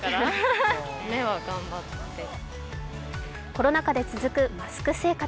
コロナ禍で続くマスク生活。